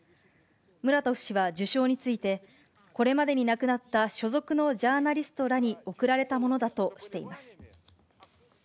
ムラトフ氏は受賞について、これまでに亡くなった所属のジャーナリストらに贈られたものだとしています。